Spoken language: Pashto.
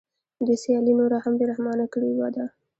دوی سیالي نوره هم بې رحمانه کړې ده